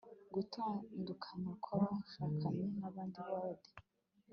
gutandukana kwa bashakanye nabandi bode